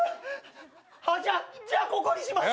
じゃあじゃあここにします。